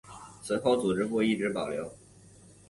此后组织部一直保留。